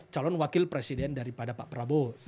calon wakil presiden daripada pak prabowo